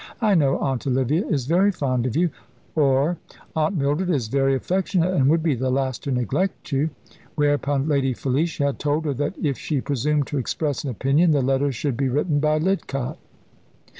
I know Aunt Olivia is very fond of you," or "Aunt Mildred is very affectionate, and would be the last to neglect you." Whereupon Lady Felicia had told her that if she presumed to express an opinion, the letters should be written by Lidcott.